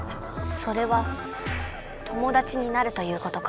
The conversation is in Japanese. それは友だちになるということか？